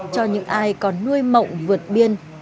cho những ai còn nuôi mộng vượt biên